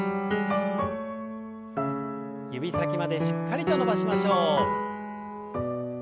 指先までしっかりと伸ばしましょう。